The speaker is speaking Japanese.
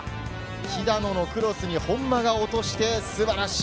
肥田野のクロスに本間が落として素晴らしい